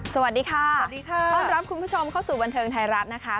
สวัสดีค่ะสวัสดีค่ะต้อนรับคุณผู้ชมเข้าสู่บันเทิงไทยรัฐนะคะ